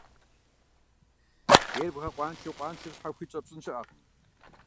Хейр бгъэкъуаншэу, къуаншэр щхьэхуит щӀэпщӀын щыӀэкъым.